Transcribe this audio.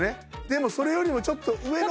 でもそれよりもちょっと上の方に。